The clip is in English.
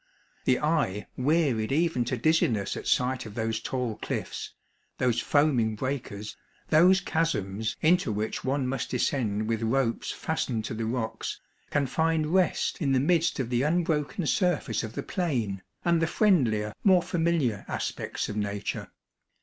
The eye wearied even to dizziness at sight of those tall cliffs, those foaming breakers, those chasms into which one must descend with ropes fastened to the rocks, can find rest in the midst of the unbroken surface of the plain, and the friendlier, more familiar aspects of nature.